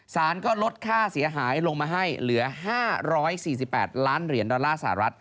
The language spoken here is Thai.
สารก็ลดค่าเสียหายลงมาให้เหลือ๕๔๘ล้านเหรียญดอลลาร์สหรัฐ